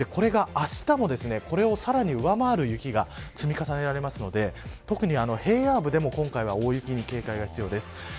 あしたはこれを上回る雪が積み重なるので特に平野部でも今回は大雪に警戒が必要です。